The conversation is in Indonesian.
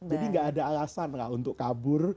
jadi tidak ada alasan untuk kabur